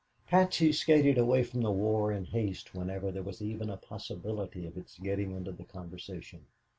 Patsy skated away from the war in haste whenever there was even a possibility of its getting into the conversation.